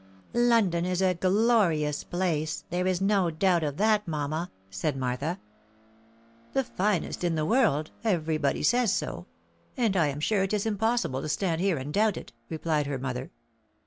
" London is a glorious place ; there is no doubt of that, mamma," said Martha. " The finest in the world — everybody says so ; and I am sure it is impossible to stand here and doubt it," replied her mother.